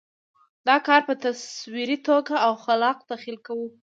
دا کار په تصوري توګه او خلاق تخیل کوو.